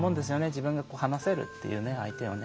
自分が話せるっていう相手をね。